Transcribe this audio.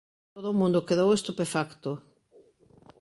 Todo o mundo quedou estupefacto.